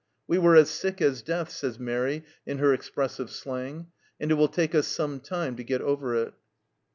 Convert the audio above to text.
" We were as sick as death,' says Mairi in her expressive slang, "and it will take us some time to get over it."